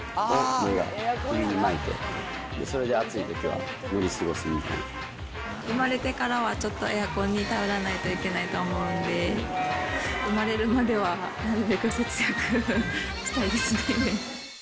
首に巻いて、それで暑いときはや生まれてからは、ちょっとエアコンに頼らないといけないと思うんで、生まれるまではなるべく節約したいですね。